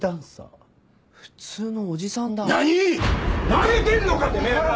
なめてんのかてめえら！